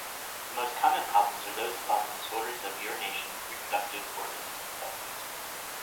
The most common problems are those involving disorders of urination, reproductive organs and testes.